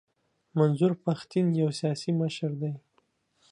منظور پښتین یو سیاسي مشر دی.